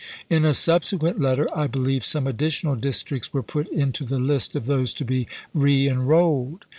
In a subsequent letter I believe some additional districts were put into the list of those to be reenrolled.